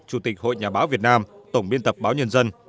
chủ tịch hội nhà báo việt nam tổng biên tập báo nhân dân